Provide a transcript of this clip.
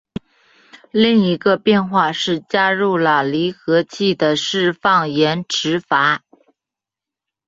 另一个变化是加入了离合器的释放延迟阀。